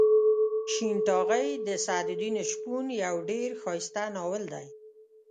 شین ټاغۍ د سعد الدین شپون یو ډېر ښایسته ناول دی.